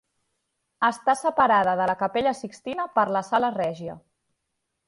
Està separada de la Capella Sixtina per la Sala Regia.